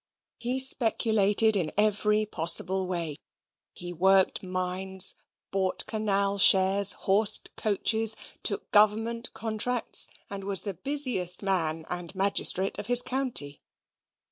He speculated in every possible way; he worked mines; bought canal shares; horsed coaches; took government contracts, and was the busiest man and magistrate of his county.